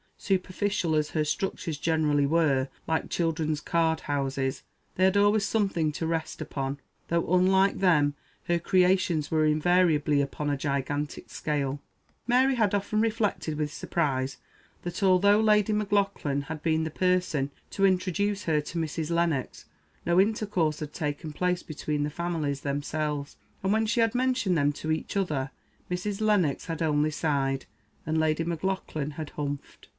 Superficial as her structures generally were, like children's card houses, they had always something to rest upon; though (unlike them) her creations were invariably upon a gigantic scale. Mary had often reflected with surprise that, although Lady Maclauglan had been the person to introduce her to Mrs. Lennox, no intercourse had taken place between the families themselves; and when she had mentioned them to each other Mrs. Lennox had only sighed, and Lady Maclaughlan had humphed.